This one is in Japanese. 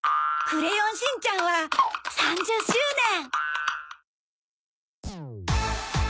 『クレヨンしんちゃん』は３０周年！